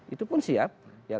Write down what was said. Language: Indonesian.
itu pun siap